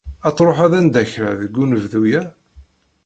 Ad truḥeḍ anda kra deg unebdu-ya?